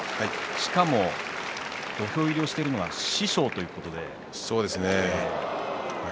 しかも土俵入りをしているのが師匠ということですね。